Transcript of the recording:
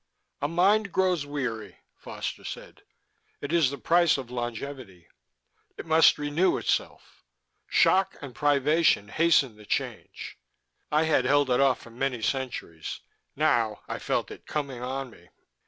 "A mind grows weary," Foster said. "It is the price of longevity. It must renew itself. Shock and privation hasten the Change. I had held it off for many centuries. Now I felt it coming on me.